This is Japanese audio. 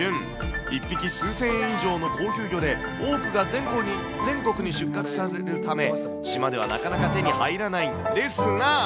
１匹数千円以上の高級魚で、多くが全国に出荷されるため、島ではなかなか手に入らないんですが。